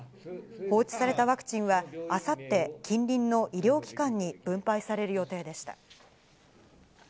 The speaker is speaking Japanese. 放置されたワクチンは、あさって近隣の医療機関に分配される予定でした。